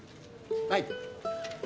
はい。